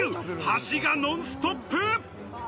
箸がノンストップ。